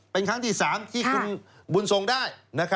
เป็นครั้งที่๓ที่คุณบุญทรงได้